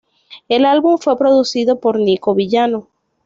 El álbum fue producido por Niko Villano.